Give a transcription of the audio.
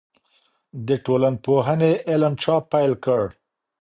د ټولنپوهنې علم چا پیل کړ؟